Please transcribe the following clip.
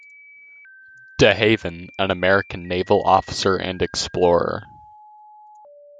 De Haven, an American naval officer and explorer.